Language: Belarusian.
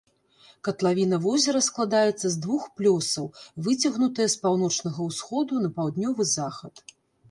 Катлавіна возера складаецца з двух плёсаў, выцягнутая з паўночнага ўсходу на паўднёвы захад.